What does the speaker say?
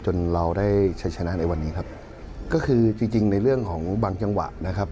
เราได้ใช้ชนะในวันนี้ครับก็คือจริงจริงในเรื่องของบางจังหวะนะครับ